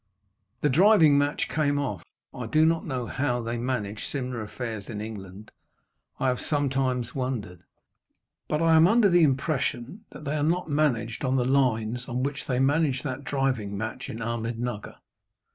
The driving match came off. I do not know how they manage similar affairs in England. I have sometimes wondered. But I am under the impression that they are not managed on the lines on which they managed that driving match in Ahmednugger.